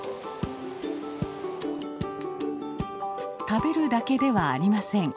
食べるだけではありません。